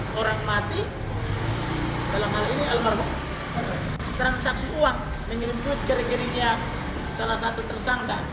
hai orang mati dalam hal ini almarhum transaksi uang menyerupai keringinnya salah satu tersangka